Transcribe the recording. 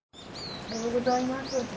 おはようございます。